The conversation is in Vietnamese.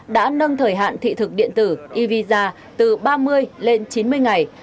đã nâng thời hạn thị thực điện tử e visa từ ba mươi lên chín mươi ngày